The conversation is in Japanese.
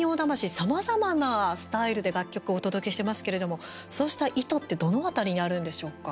さまざまなスタイルで楽曲をお届けしてますけれどもそうした意図ってどの辺りにあるんでしょうか。